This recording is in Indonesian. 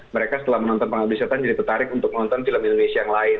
mereka setelah menonton pengabdi setan jadi tertarik untuk menonton film indonesia yang lain